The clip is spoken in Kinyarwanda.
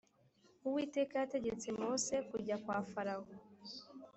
Uwiteka yategetse Mose kujya kwa Farawo